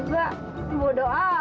supaya kenyataan amat